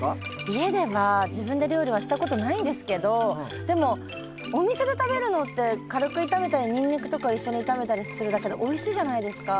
家では自分で料理はしたことないんですけどでもお店で食べるのって軽く炒めたりにんにくとか一緒に炒めたりするだけでおいしいじゃないですか。